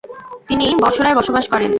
তিনি বসরায় বসবাস করেন।